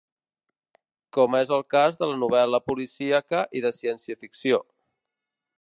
Com és el cas de la novel·la policíaca i de ciència-ficció.